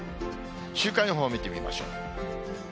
週間予報を見てみましょう。